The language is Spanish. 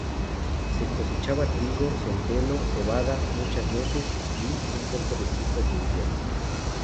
Se cosechaba trigo, centeno, cebada, muchas nueces y un poco de frutas de invierno.